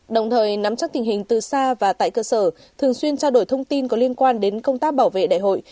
đồng thời nắm chắc tình hình từ xa và tại cơ sở thường xuyên trao đổi thông tin có liên quan đến công tác bảo vệ đại hội